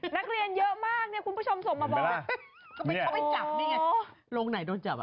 นักเรียนเยอะมากเนี่ยคุณผู้ชมส่งมาบอกว่าเขาไปจับนี่ไงโรงไหนโดนจับอ่ะ